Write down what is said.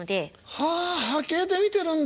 はあ波形で見てるんだ。